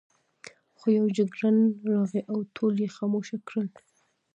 خو یو جګړن راغی او ټول یې خاموشه کړل.